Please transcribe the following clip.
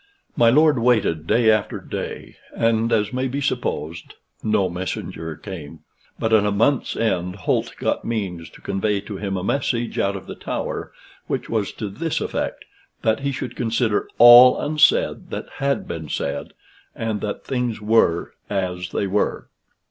My lord waited day after day, and, as may be supposed, no messenger came; but at a month's end Holt got means to convey to him a message out of the Tower, which was to this effect: that he should consider all unsaid that had been said, and that things were as they were.